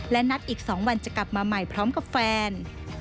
และนัดอีก๒วันจะกลับมาใหม่พร้อมกับแฟน